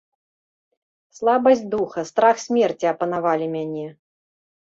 Слабасць духа, страх смерці апанавалі мяне.